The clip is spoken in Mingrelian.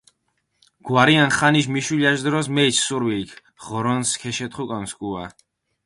გვარიანი ხანიში მიშულაში დროს, მეჩჷ სრუვილქ, ღორონს ქეშეთხუკონი სქუა.